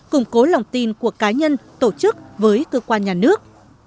củng cố lòng tin của cá nhân tổ chức với cơ quan nhà nước